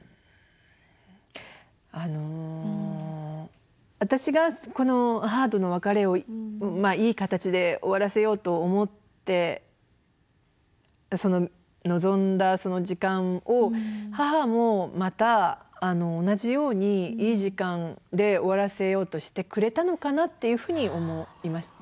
あの私がこの母との別れをいい形で終わらせようと思って臨んだその時間を母もまた同じようにいい時間で終わらせようとしてくれたのかなっていうふうに思いました。